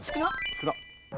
少なっ！